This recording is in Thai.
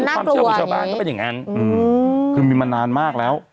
อ๋อเขาน่ากลัวอย่างนี้คือมีมานานมากแล้ว